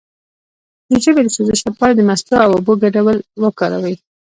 د ژبې د سوزش لپاره د مستو او اوبو ګډول وکاروئ